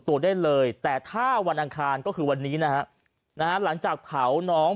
ตัวได้เลยแต่ถ้าวันอังคารก็คือวันนี้นะฮะนะฮะหลังจากเผาน้อง